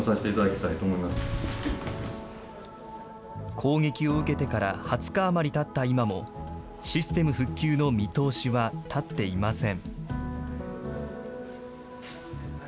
攻撃を受けてから２０日余りたった今も、システム復旧の見通しは立っていません。